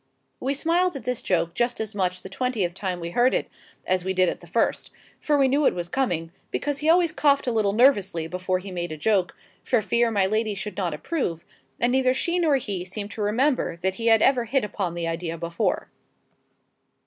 We smiled at this joke just as much the twentieth time we heard it as we did at the first; for we knew it was coming, because he always coughed a little nervously before he made a joke, for fear my lady should not approve: and neither she nor he seemed to remember that he had ever hit upon the idea before.